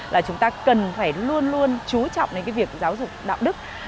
là chúng ta cần phải luôn luôn chú trọng đến cái việc giáo dục đạo đức